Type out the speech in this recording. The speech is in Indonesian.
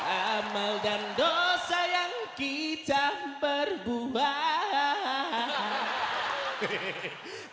amal dan dosa yang kita perbuah